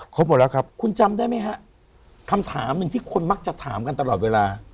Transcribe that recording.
ครบหมดแล้วครับคุณจำได้ไหมฮะคำถามหนึ่งที่คนมักจะถามกันตลอดเวลา